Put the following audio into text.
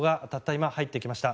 今、入ってきました。